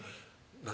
何？